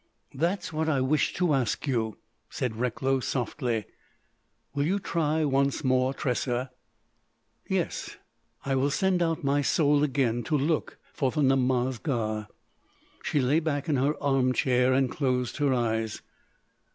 "That's what I wished to ask you," said Recklow softly. "Will you try once more, Tressa?" "Yes. I will send out my soul again to look for the Namaz Ga." She lay back in her armchair and closed her eyes.